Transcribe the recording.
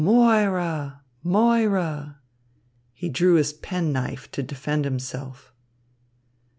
"Moira, Moira!" He drew his penknife to defend himself.